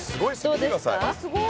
見てください。